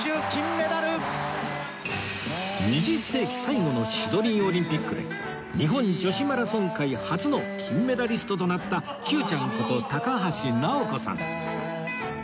２０世紀最後のシドニーオリンピックで日本女子マラソン界初の金メダリストとなった Ｑ ちゃんこと高橋尚子さん